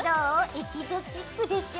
エキゾチックでしょ？